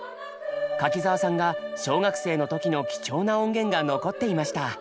柿澤さんが小学生の時の貴重な音源が残っていました。